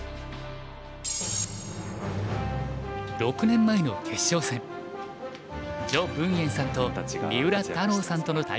６年前の決勝戦徐文燕さんと三浦太郎さんとの対局。